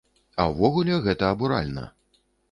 А ўвогуле, гэта абуральна.